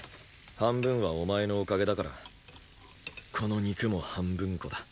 半分はお前のおかげだからこの肉も半分こだ。